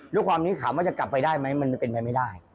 ด้วยความนี้ถามว่าจะกลับไปได้ไหมมันเป็นไปไม่ได้